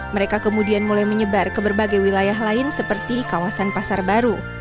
mereka kemudian mulai menyebar ke berbagai wilayah lain seperti kawasan pasar baru